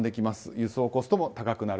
輸送コストも高くなる。